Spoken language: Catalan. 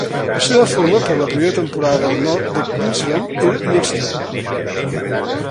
La seva forma per a la primera temporada del nord de Queensland era mixta.